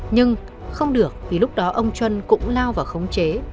nhưng không được vì lúc đó ông trân cũng lao vào khống chế